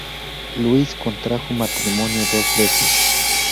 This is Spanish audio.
Luis contrajo matrimonio dos veces.